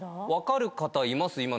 分かる方います？